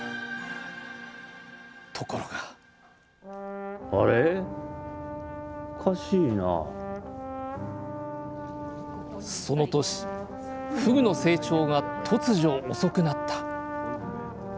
ところがその年ふぐの成長が突如遅くなった。